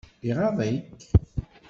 Iɣaḍ-ik?